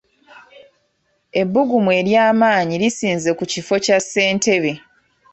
Ebbugumu ery'amaanyi lisinze ku kifo kya ssentebe.